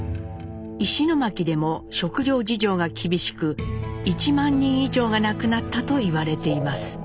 石巻でも食糧事情が厳しく１万人以上が亡くなったといわれています。